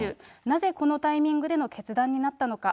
なぜこのタイミングでの決断になったのか。